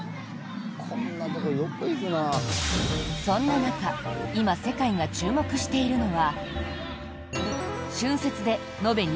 そんな中今、世界が注目しているのは。